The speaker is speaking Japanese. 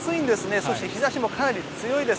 そして日差しもかなり強いんです。